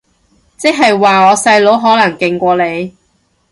即係話我細佬可能勁過你